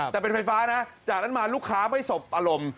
แต่เป็นไฟฟ้านะจากนั้นมาลูกค้าไม่สบอารมณ์